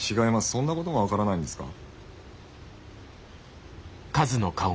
そんなことも分からないんですか？